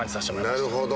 なるほど。